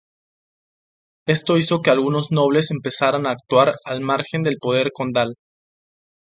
Esto hizo que algunos nobles empezaran a actuar al margen del poder condal.